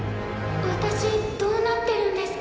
私どうなってるんですか？